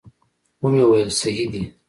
ومې ویل صحیح دي.